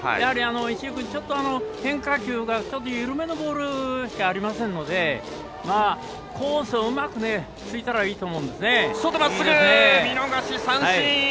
石井君、変化球が緩めのボールしかありませんのでコースをうまく突いたらいいと外、まっすぐ見逃し三振。